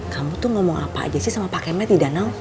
kamu tuh ngomong apa aja sih sama pak keme di danau